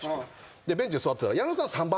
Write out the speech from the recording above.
でベンチで座ってたら。